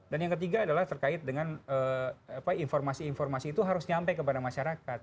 dan yang ketiga adalah terkait dengan informasi informasi itu harus nyampe kepada masyarakat